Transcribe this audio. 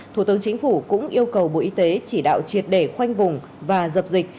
thủ tướng chính phủ cũng yêu cầu bộ y tế chỉ đạo triệt để khoanh vùng và dập dịch